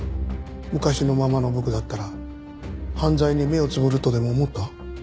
昔のままの僕だったら犯罪に目をつむるとでも思った？